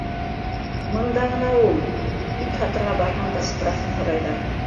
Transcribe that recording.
Мында ғына ул ит һатырға барһаң да справка һорайҙар.